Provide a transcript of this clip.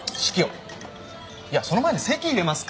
いやその前に籍入れますか？